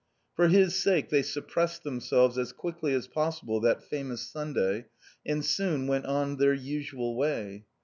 For his sake they suppressed themselves as quickly as possible that famous Sunday and soon went on their usual way.